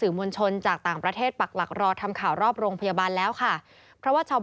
เป็นการปรับทำวงแรกที่จะเอง